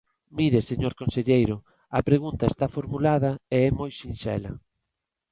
Mire, señor conselleiro, a pregunta está formulada e é moi sinxela.